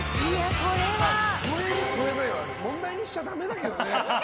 添える、添えないは問題にしちゃダメだけどね。